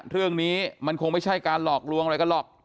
เรื่องนี้มันคงไม่ใช่การหลอกลวงอะไรกันหรอก